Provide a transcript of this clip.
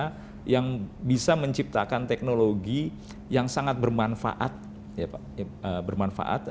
tapi karena mereka yang bisa menciptakan teknologi yang sangat bermanfaat